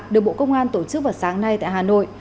được bộ công an tổ chức vào sáng nay tại hà nội